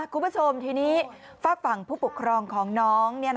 คุณผู้ชมทีนี้ฝากฝั่งผู้ปกครองของน้อง